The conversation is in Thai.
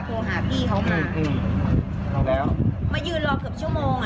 โทรหาพี่เขามามาอยู่รอเกือบชั่วโมง